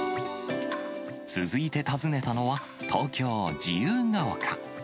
続いて訪ねたのは、東京・自由が丘。